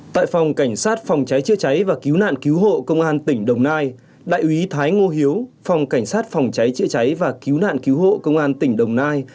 tại phòng cảnh sát phòng cháy chữa cháy và cứu nạn cứu hộ công an tỉnh đồng nai đại úy thái ngô hiếu phòng cảnh sát phòng cháy chữa cháy và cứu nạn cứu hộ công an tỉnh đồng nai